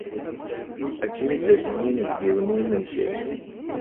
Ad kem-id-asen yinebgiwen i yimensi?